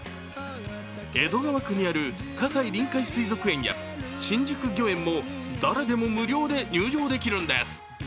江戸川区にある葛西臨海水族園や新宿御苑も誰でも無料で入場できるんです。